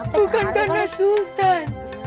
bukan karena sultan